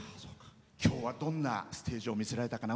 今日はどんなステージを見せられたかな？